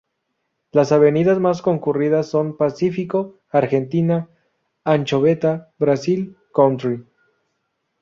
Las avenidas más concurridas son Pacífico, Argentina, Anchoveta, Brasil, Country.